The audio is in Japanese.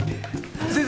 先生。